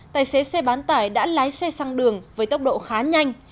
tài xế xe bán tải đã lái xe sang đường với tốc độ khá nhanh